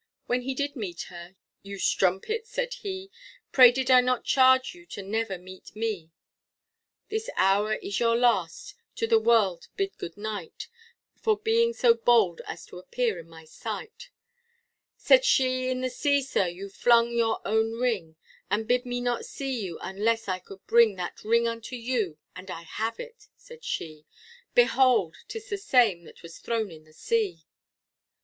When he did meet her, you strumpet, said he, Pray did not I charge you to never meet me; This hour is your last, to the world bid good night, For being so bold as to appear in my sight. Said she, in the sea, sir, you flung your own ring, And bid me not see you, unless I could bring That ring unto you, and I have it, said she, Behold, 'tis the same that was thrown in the sea.